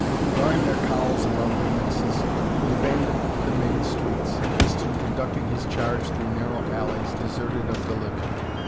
Drawing their cowls about their faces, they abandoned the main streets, Tristan conducting his charge through narrow alleys, deserted of the living.